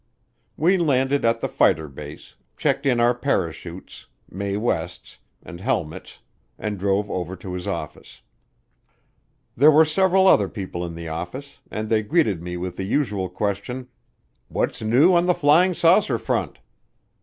We landed at the fighter base, checked in our parachutes, Mae Wests, and helmets, and drove over to his office. There were several other people in the office, and they greeted me with the usual question, "What's new on the flying saucer front?"